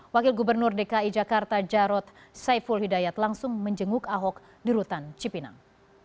wakil gubernur dki jakarta jarod saiful hidayat langsung menjenguk ahok di rutan cipinang